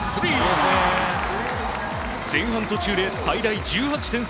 前半途中で最大１８点差。